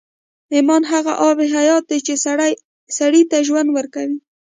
ایمان هغه آب حیات دی چې سړي ته ژوند ورکوي